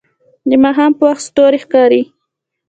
د ماښام په وخت ستوري ښکاري